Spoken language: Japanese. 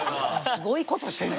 すごいことしてんねん。